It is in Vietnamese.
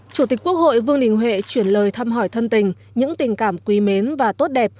chủ tịch quốc hội vương đình huệ chuyển lời thăm hỏi thân tình những tình cảm quý mến và tốt đẹp